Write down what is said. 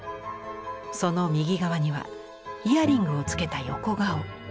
その右側にはイヤリングをつけた横顔。